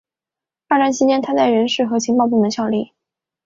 二战期间他在人事和情报部门效力。